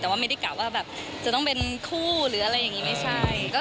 แต่ว่าไม่ได้กะว่าแบบจะต้องเป็นคู่หรืออะไรอย่างนี้ไม่ใช่